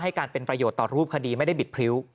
การเป็นประโยชน์ต่อรูปคดีไม่ได้บิดพริ้ว